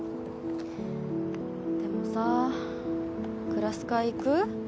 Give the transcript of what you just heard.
でもさクラス会行く？